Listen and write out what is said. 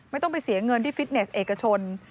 ไม่ต้องไปเสียเงินที่ฟิตเนสเอกชน